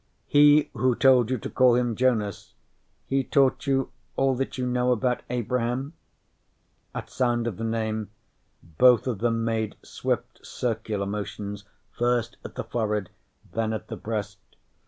_ "He who told you to call him Jonas, he taught you all that you know about Abraham?" At sound of the name, both of them made swift circular motions, first at the forehead, then at the breast.